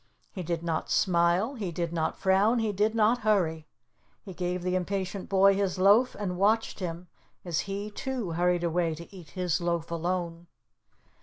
He did not smile, he did not frown, he did not hurry. He gave the Impatient Boy his loaf and watched him, as he, too, hurried away to eat his loaf alone.